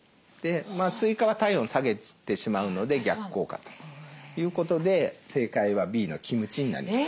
スイカは体温下げてしまうので逆効果ということで正解はＢのキムチになります。